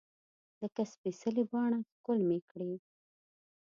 لکه سپیڅلې پاڼه ښکل مې کړې